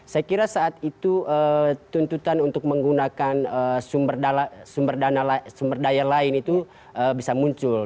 saya kira saat itu tuntutan untuk menggunakan sumber dana sumber daya lain itu bisa muncul